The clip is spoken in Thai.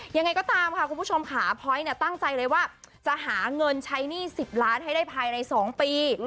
ยังไงก็ตามค่ะคุณผู้ชมค่ะพ้อยตั้งใจเลยว่าจะหาเงินใช้หนี้๑๐ล้านให้ได้ภายใน๒ปี